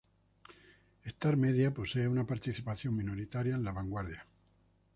Starz Media posee una participación minoritaria en la Vanguard.